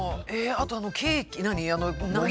あとあのケーキ何？